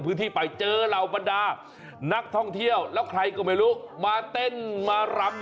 พื้นเปียกแชะเลย